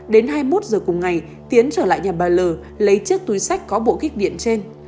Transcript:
đến hai mươi một giờ cùng ngày tiến trở lại nhà bà l lấy chiếc túi sách có bộ kích điện trên